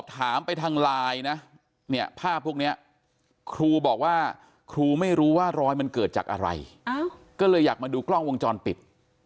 ถามไปทางไลน์นะเนี่ยภาพพวกนี้ครูบอกว่าครูไม่รู้ว่ารอยมันเกิดจากอะไรก็เลยอยากมาดูกล้องวงจรปิด